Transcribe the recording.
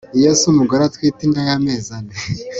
iyo se umugore atwite inda yamezi ane